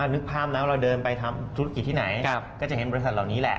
นึกภาพแล้วเราเดินไปทำธุรกิจที่ไหนก็จะเห็นบริษัทเหล่านี้แหละ